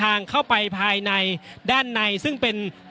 อย่างที่บอกไปว่าเรายังยึดในเรื่องของข้อ